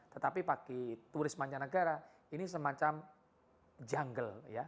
tetapi bagi turis mancanegara ini semacam jungle ya